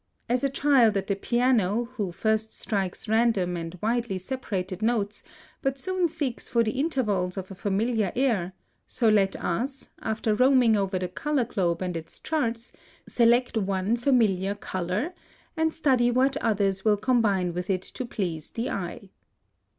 As a child at the piano, who first strikes random and widely separated notes, but soon seeks for the intervals of a familiar air, so let us, after roaming over the color globe and its charts, select one familiar color, and study what others will combine with it to please the eye.